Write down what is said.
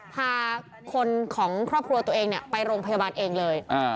พาคนของครอบครัวตัวเองไปโรงพยาบาลเองเลย